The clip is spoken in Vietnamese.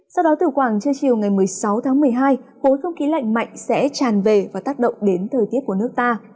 sau đó từ khoảng trên chiều ngày một mươi sáu tháng một mươi hai khối không khí lạnh mạnh sẽ tràn về và tác động đến thời tiết của nước ta